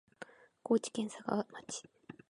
高知県佐川町